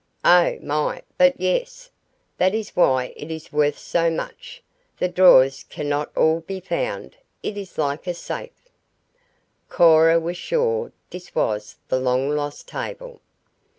"Oh, my, but yes. That is why it is worth so much. The drawers cannot all be found. It is like a safe " Cora was sure this was the long lost table.